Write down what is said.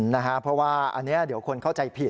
เพราะว่าอันนี้เดี๋ยวคนเข้าใจผิด